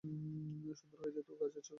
সুন্দর হয়েছে তো গাছের ছবি!